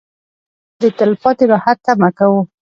مړه ته د تلپاتې راحت تمه کوو